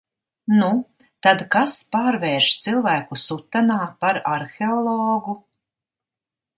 Nu, tad kas pārvērš cilvēku sutanā par arheologu?